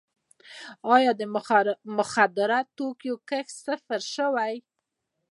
آیا د مخدره توکو کښت صفر شوی؟